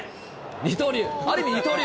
二刀流、ある意味二刀流。